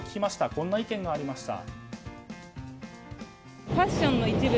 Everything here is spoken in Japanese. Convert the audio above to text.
こんな意見がありました。